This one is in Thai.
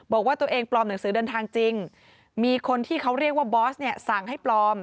บอกว่าตัวเองปลอมหนังสือเดินทางจริงมีคนที่เขาเรียกว่าบอสเนี่ยสั่งให้ปลอม